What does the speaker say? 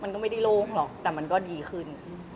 มันก็ไม่ได้โล่งหรอกแต่มันก็ดีขึ้น